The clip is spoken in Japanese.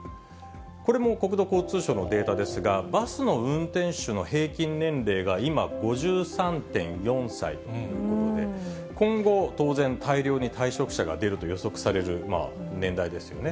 これも国土交通省のデータですが、バスの運転手の平均年齢が、今、５３．４歳ということで、今後、当然、大量に退職者が出ると予測される年代ですよね。